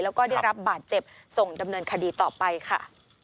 แล้วก็ได้รับบาดเจ็บส่งดำเนินคดีต่อไปค่ะ